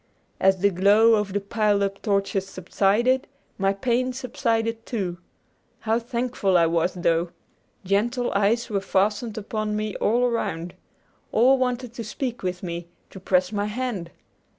As the glow of the piled up torches subsided, my pain subsided too. How thankful I was, though! Gentle eyes were fastened upon me all around. All wanted to speak with me, to press my hand.